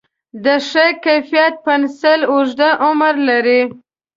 د ښه کیفیت پنسل اوږد عمر لري.